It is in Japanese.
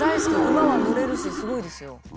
馬は乗れるしすごいですよ。